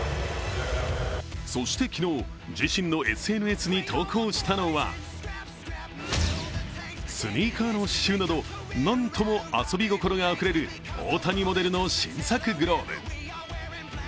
そして昨日、自身のＳＮＳに投稿したのはスニーカーの刺しゅうなど、なんとも遊び心あふれる大谷モデルの新作グローブ。